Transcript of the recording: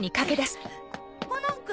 コナン君？